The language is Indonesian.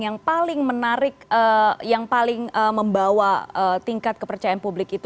yang paling menarik yang paling membawa tingkat kepercayaan publik itu